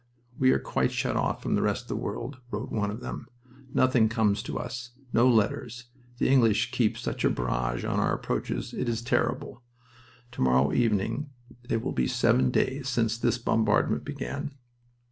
"We are quite shut off from the rest of the world," wrote one of them. "Nothing comes to us. No letters. The English keep such a barrage on our approaches it is terrible. To morrow evening it will be seven days since this bombardment began.